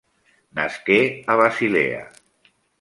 Nasqué a Basilea.